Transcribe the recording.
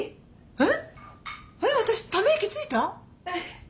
えっ？